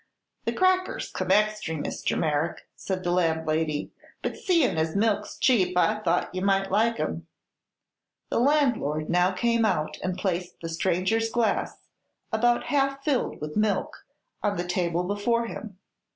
"The crackers come extry, Mr. Merrick," said the landlady, "but seein' as milk's cheap I thought you might like 'em." The landlord now came out and placed the stranger's glass, about half filled with milk, on the table before him.